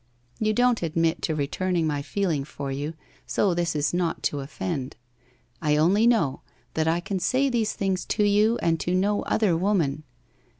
You don't admit to returning my feeling for you, so this is not to offend. I only know that I can say these things to you and to no other woman.